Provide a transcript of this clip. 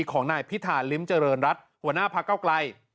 ของนายพิธาลิ้มเจริญรัฐหัวหน้าพักเก้าไกล